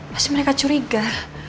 pasti mereka curiga